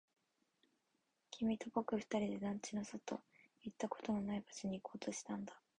君と僕二人で団地の外、行ったことのない場所に行こうとしたんだ